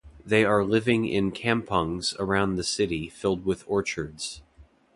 They are living in "kampungs" around the city filled with orchards.